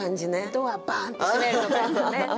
ドアバーンッて閉めるとかですよね。